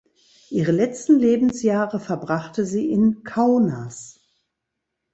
Ihre letzten Lebensjahre verbrachte sie in Kaunas.